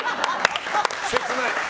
切ない。